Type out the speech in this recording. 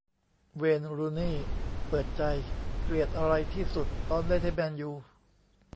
เวย์น รูนี่ย์ เปิดใจ เกลียดอะไรที่สุดตอนเล่นให้ แมนยู